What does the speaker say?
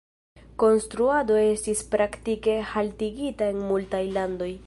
Konstruado estis praktike haltigita en multaj landoj.